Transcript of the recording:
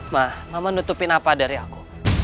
mah mama nutupin apa dari aku